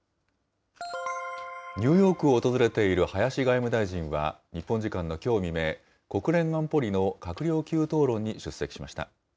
ニューヨークを訪れている林外務大臣は、日本時間のきょう未明、国連安保理の閣僚級討論に出席しました。